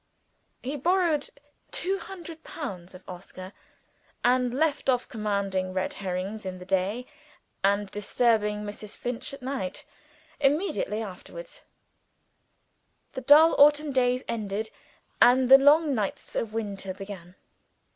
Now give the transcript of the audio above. He borrowed two hundred pounds of Oscar; and left off commanding red herrings in the day and disturbing Mrs. Finch at night, immediately afterwards. The dull autumn days ended, and the long nights of winter began.